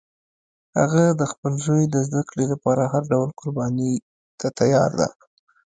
هغه د خپل زوی د زده کړې لپاره هر ډول قربانی ته تیار ده